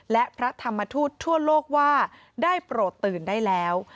และพระธรรมทูตทั่วโลกว่าได้โปรดตื่นได้แล้ว